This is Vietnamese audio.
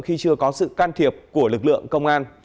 khi chưa có sự can thiệp của lực lượng công an